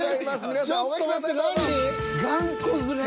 皆さんお書きください。